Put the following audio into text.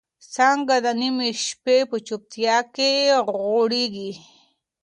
څانګه د نيمې شپې په چوپتیا کې غوړېږي.